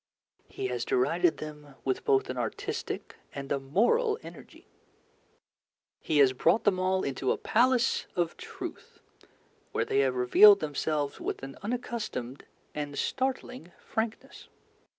He has derided them with both an artistic and a moral energy. He has brought them all into a Palace of Truth, where they have revealed themselves with an unaccustomed and startling frankness.